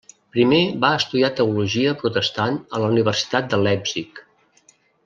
Primer va estudiar teologia protestant a la Universitat de Leipzig.